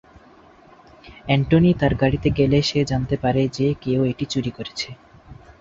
Antony তার গাড়িতে গেলে সে জানতে পারে যে কেউ এটি চুরি করেছে।